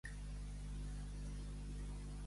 A Alins, pollins.